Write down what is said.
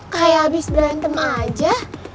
kayak abis berantem aja